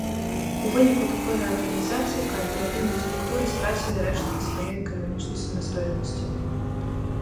У выніку такой рэарганізацыі кааператыўныя структуры страцілі рэшткі сваёй эканамічнай самастойнасці.